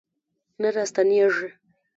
نه راستنیږي